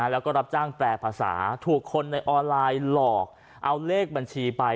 แล้วก็รับจ้างแปลภาษาถูกคนในออนไลน์หลอกเอาเลขบัญชีไป